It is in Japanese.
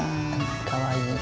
かわいい。